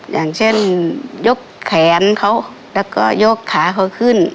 อย่างเช่นยกแขนเขาแล้วก็ยกขาเขาขึ้น